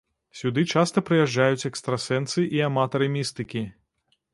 Сюды часта прыязджаюць экстрасэнсы і аматары містыкі.